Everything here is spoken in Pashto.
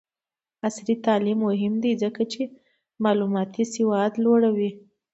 عصري تعلیم مهم دی ځکه چې معلوماتي سواد لوړوي.